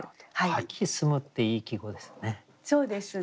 「秋澄む」っていい季語ですね。